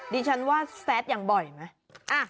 เดี๋ยวฉันว่าแซสอย่างบ่อยไหม